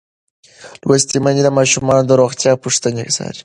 لوستې میندې د ماشومانو د روغتیا پوښتنې څاري.